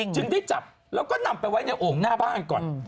จึงได้จับแล้วก็นำไปไว้ในโอ่งหน้าบ้านก่อน